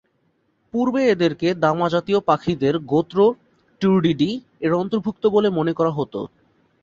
পূর্বে এদেরকে দামাজাতীয় পাখিদের গোত্র টুর্ডিডি-এর অন্তর্ভুক্ত বলে মনে করা হত।